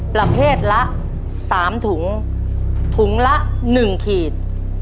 ประเภทละสามถุงถุงละหนึ่งขีด